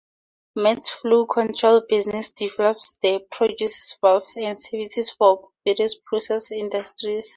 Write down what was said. Metso's flow control business develops and produces valves and services for various process industries.